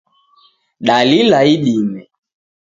Dalila idime